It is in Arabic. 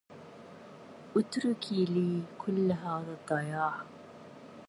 أُتركي لي كل هذا الضياع